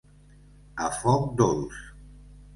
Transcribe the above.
A foc dolç.